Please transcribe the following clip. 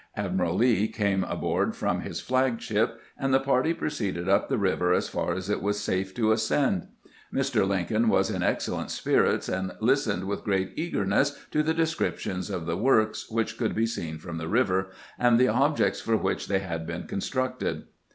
Admkal Lee came aboard from his flag ship, and the party proceeded up the river as far as it was safe to ascend. Mr. Lincoln was in excellent SOME ANECDOTES BY LINCOLN 223 spirits, and listened witli great eagerness to the descrip tions of the works, which could be seen from the river, and the objects for which they had been constructed.